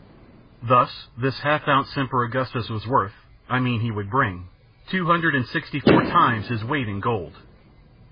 Thus this half ounce Semper Augustus was worth I mean he would bring two hundred and sixty four times his weight in gold!